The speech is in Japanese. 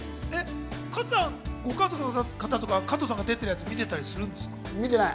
加藤さんはご家族の方とか加藤さんが出てるやつ、見てたりするんですか？